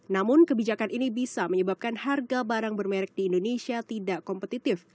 namun kebijakan ini bisa menyebabkan harga barang bermerek di indonesia tidak kompetitif